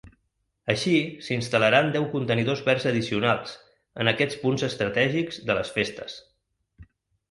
Així, s’instal·laran deu contenidors verds addicionals en aquests punts estratègics de les festes.